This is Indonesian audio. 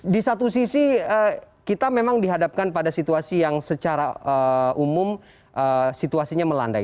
di satu sisi kita memang dihadapkan pada situasi yang secara umum situasinya melandai